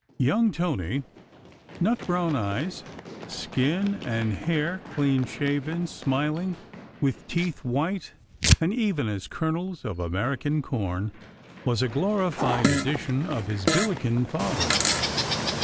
Young Tony nut brown eyes, skin, and hair, clean shaven, smiling, with teeth white and even as kernels of American corn was a glorified edition of his Billiken father.